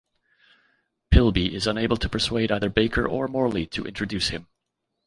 Pillby is unable to persuade either Baker or Morley to introduce him.